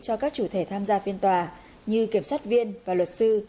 cho các chủ thể tham gia phiên tòa như kiểm sát viên và luật sư